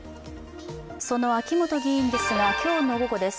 その秋本議員ですが今日の午後です。